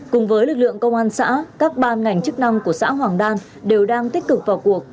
cùng với lực lượng công an xã các ban ngành chức năng của xã hoàng đan đều đang tích cực vào cuộc